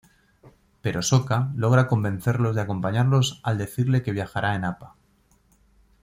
Pero Sokka logra convencerlos de acompañarlos al decirle que viajará en Appa.